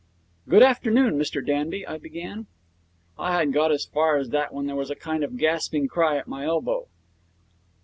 'Good afternoon, Mr Danby,' I began. I had got as far as that when there was a kind of gasping cry at my elbow.